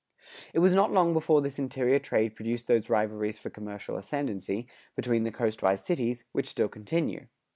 It was not long before this interior trade produced those rivalries for commercial ascendancy, between the coastwise cities, which still continue.